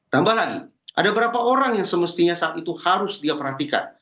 tambah lagi ada berapa orang yang semestinya saat itu harus dia perhatikan